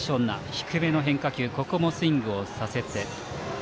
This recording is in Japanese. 低めの変化球ここもスイングをさせて。